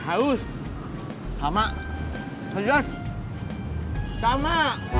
haus sama pedas sama